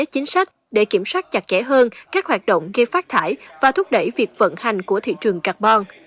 chính sách để kiểm soát chặt chẽ hơn các hoạt động gây phát thải và thúc đẩy việc vận hành của thị trường carbon